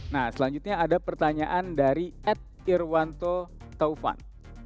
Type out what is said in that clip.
nah selanjutnya ada pertanyaan dari ed irwanto taufan